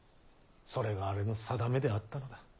それがあれの宿命であったのだ。